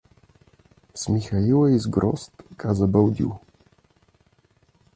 — С Михаила и с Грозд — каза Балдю.